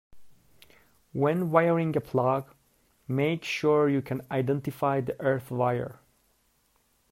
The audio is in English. When wiring a plug, make sure you can identify the earth wire